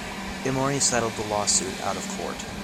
Emory settled the lawsuit out of court.